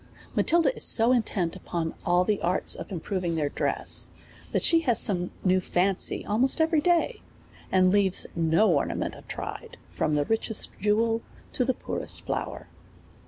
Matilda is so intent upon all the arts of improving their dress, that she has some new fancy almost every day, and leaves no ornament untried, from the richest jewel to the poorest flower.